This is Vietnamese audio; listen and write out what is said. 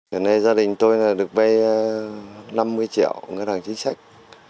hiện nay gia đình tôi được vay năm mươi triệu ngân hàng chính sách